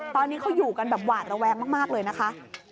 ตอนนี้เขาอยู่กันแบบหวาดระแวงมากเลยนะคะ